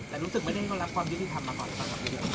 รู้สึกไม่ได้รับความยุติธรรมาก่อนครับ